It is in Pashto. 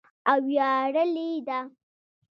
او ویاړلې ده.